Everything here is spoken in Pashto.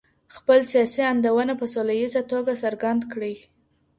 خپل سياسي آندونه په سوله ييزه توګه څرګند کړئ.